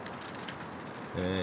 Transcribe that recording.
え